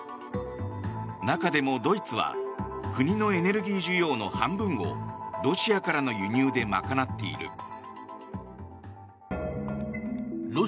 中でもドイツは国のエネルギー需要の半分をロシアからの輸入で賄っている。